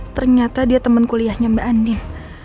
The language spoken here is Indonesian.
ternyata dia temen kuliahnya mba andin